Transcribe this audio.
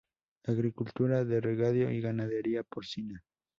Agricultura de regadío y ganadería porcina.